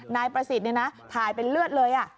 นายประสิทธิ์ถ่ายเป็นเลือดเลย